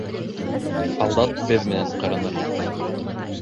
Һалдат беҙ менән ҡырыныр